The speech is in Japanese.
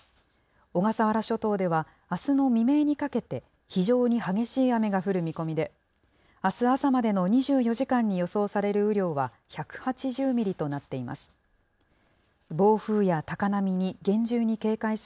小笠原諸島では、あすの未明にかけて、非常に激しい雨が降る見込みで、あす朝までの２４時間に予想される雨量は１８０ミリとなっています。